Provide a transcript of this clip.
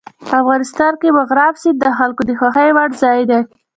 افغانستان کې مورغاب سیند د خلکو د خوښې وړ ځای دی.